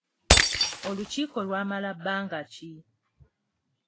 Olukiiko lwamala bbanga ki?